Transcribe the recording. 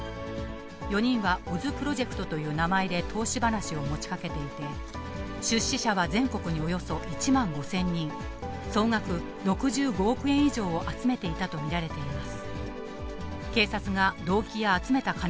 ４人はオズプロジェクトという名前で投資話を持ちかけていて、出資者は全国におよそ１万５０００人、総額６５億円以上を集めていたと見られています。